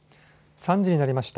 ３時になりました。